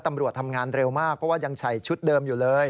ตำรวจทำงานเร็วมากเพราะว่ายังใส่ชุดเดิมอยู่เลย